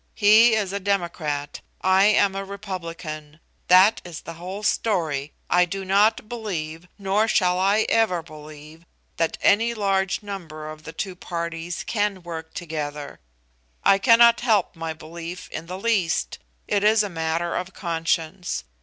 He is a Democrat, I am a Republican. That is the whole story. I do not believe, nor shall I ever believe, that any large number of the two parties can work together. I cannot help my belief in the least; it is a matter of conscience.